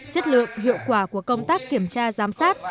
chất lượng hiệu quả của công tác kiểm tra giám sát